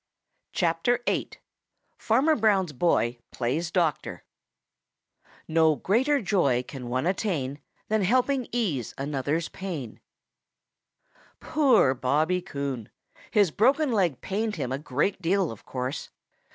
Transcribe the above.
VIII. FARMER BROWN'S BOY PLAYS DOCTOR No greater joy can one attain Than helping ease another's pain. |POOR Bobby Coon! His broken leg pained him a great deal, of course.